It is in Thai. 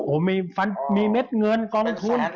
โอ้โหมีเม็ดเงินกองทุน